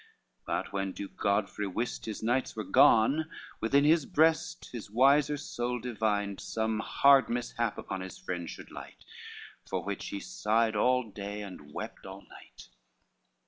But when Duke Godfrey wist his knights were gone, Within his breast his wiser soul divined Some hard mishap upon his friends should light, For which he sighed all day, and wept all night.